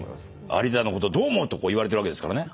有田のことどう思う？と言われてるわけですからね。